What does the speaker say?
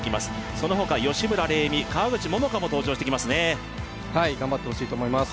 そのほか吉村玲美川口桃佳も登場してきますねはい頑張ってほしいと思います